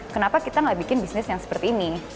kenapa kita tidak membuat bisnis seperti ini